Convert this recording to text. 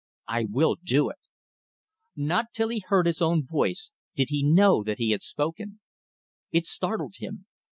"I will do it!" Not till he heard his own voice did he know that he had spoken. It startled him.